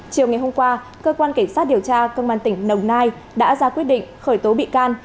chiều ngày hôm qua cơ quan cảnh sát điều tra công an tỉnh đồng nai đã ra quyết định khởi tố bị can